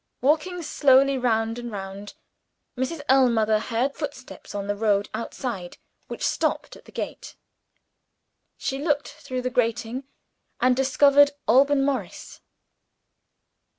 Walking slowly round and round, Mrs. Ellmother heard footsteps on the road outside, which stopped at the gate. She looked through the grating, and discovered Alban Morris.